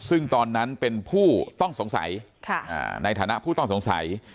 ซึ่งตอนนั้นเป็นผู้ต้องสงสัยในฐานะผู้ต้องสงสัย